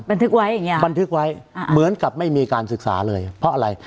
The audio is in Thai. บันทึกไว้อย่างเงี้บันทึกไว้อ่าเหมือนกับไม่มีการศึกษาเลยเพราะอะไร